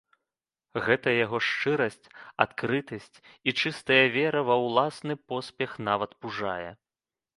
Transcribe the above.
Гэтая яго шчырасць, адкрытасць і чыстая вера ва ўласны поспех нават пужае.